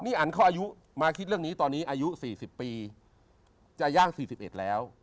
นี่อันเขาอายุมาคิดเรื่องนี้ตอนนี้อายุ๔๐ปีจะย่าง๔๑แล้ว